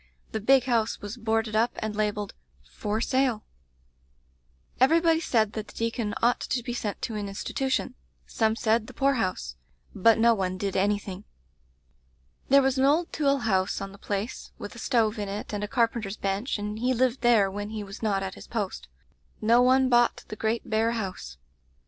The big house was boarded up and labelled 'For Sale/ "Everybody said that the deacon ought to be sent to an institution; some said the poor house; but no one did anything. "There was an old tool house on the place, with a stove in it and a carpenter's bench, and he lived there when he was not at his post. No one bought the great bare house.